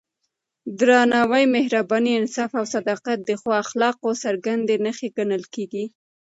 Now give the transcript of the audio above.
درناوی، مهرباني، انصاف او صداقت د ښو اخلاقو څرګندې نښې ګڼل کېږي.